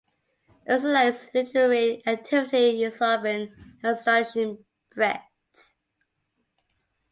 Azulai's literary activity is of an astonishing breadth.